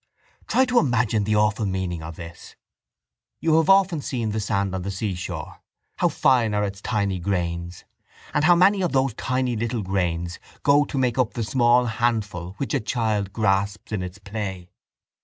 Try to imagine the awful meaning of this. You have often seen the sand on the seashore. How fine are its tiny grains! And how many of those tiny little grains go to make up the small handful which a child grasps in its play.